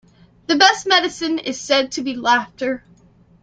The best medicine is said to be laughter.